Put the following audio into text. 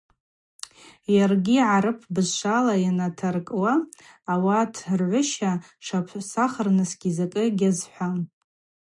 Йаргьи гӏарып бызшвала йанатаркӏуа ауат ргӏвыща тшапсахырнысгьи закӏы гьазхӏвам.